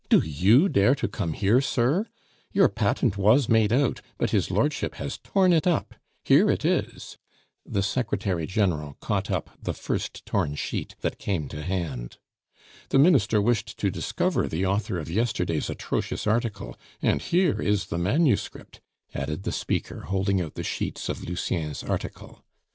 "Do you dare to come here, sir? Your patent was made out, but his lordship has torn it up. Here it is!" (the Secretary General caught up the first torn sheet that came to hand). "The Minister wished to discover the author of yesterday's atrocious article, and here is the manuscript," added the speaker, holding out the sheets of Lucien's article.